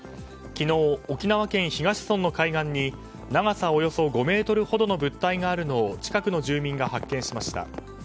昨日、沖縄県東村の海岸に長さおよそ５ｍほどの物体があるのを近くの住民が発見しました。